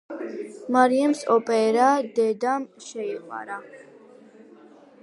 მარიამს ოპერა, დედამ შეაყვარა.